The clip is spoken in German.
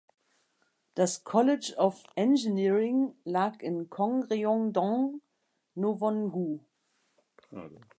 Das College of Engineering lag in Gongreung-dong, Nowon-gu.